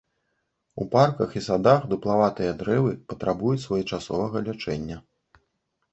У парках і садах дуплаватыя дрэвы патрабуюць своечасовага лячэння.